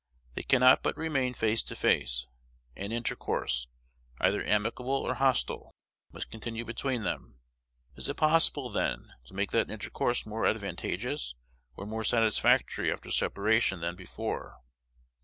They cannot but remain face to face; and intercourse, either amicable or hostile, must continue between them. Is it possible, then, to make that intercourse more advantageous or more satisfactory after separation than before?